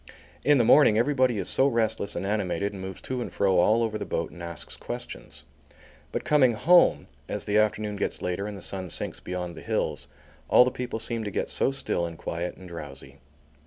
In the morning everybody is so restless and animated and moves to and fro all over the boat and asks questions. But coming home, as the afternoon gets later and the sun sinks beyond the hills, all the people seem to get so still and quiet and drowsy.